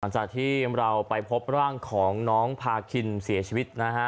หลังจากที่เราไปพบร่างของน้องพาคินเสียชีวิตนะฮะ